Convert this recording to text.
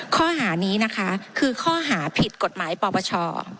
ข้อหานี้นะคะคือข้อหาผิดกฎหมายปปช